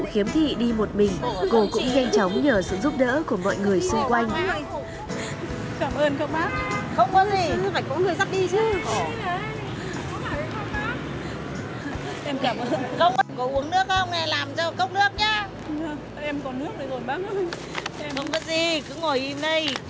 không có gì cứ ngồi yên đây